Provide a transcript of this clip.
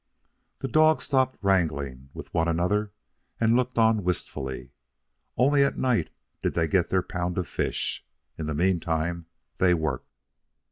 The dogs stopped wrangling with one another, and looked on wistfully. Only at night did they get their pound of fish. In the meantime they worked.